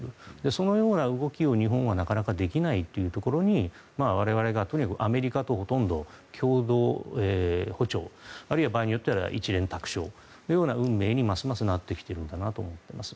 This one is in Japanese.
そのような動きを日本はなかなかできないというところに我々がとにかくアメリカと共同歩調あるいは場合によっては一蓮托生のような運命にますますなってきているだろうと思っています。